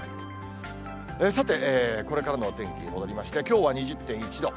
さて、これからのお天気に戻りまして、きょうは２０．１度。